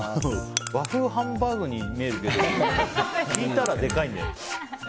和風ハンバーグに見えるけど引いたらでかいんだよ。